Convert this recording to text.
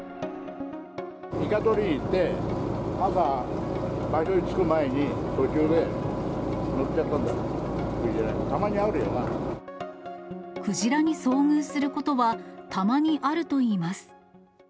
イカ取りに行って、朝、場所へ着く前に途中で乗っちゃったんだよ、クジラに、クジラに遭遇することは、たまにあるといいます。